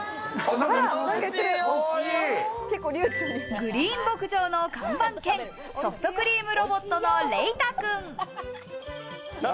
グリーン牧場の看板犬、ソフトクリームロボットのレイタくん。